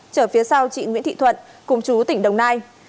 chở phía sau chị nguyễn thị thuận cùng chú tỉnh đồng nai